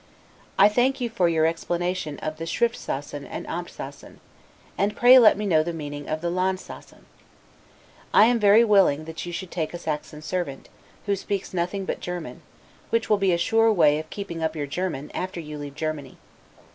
I thank you for your explanation of the 'Schriftsassen', and 'Amptsassen'; and pray let me know the meaning of the 'Landsassen'. I am very willing that you should take a Saxon servant, who speaks nothing but German, which will be a sure way of keeping up your German, after you leave Germany.